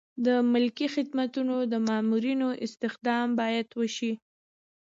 د ملکي خدمتونو د مامورینو استخدام باید وشي.